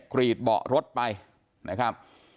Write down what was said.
กรีดเบาะรถไปนะครับ